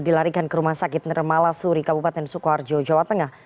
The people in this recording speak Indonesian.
dilarikan ke rumah sakit nermala suri kabupaten sukoharjo jawa tengah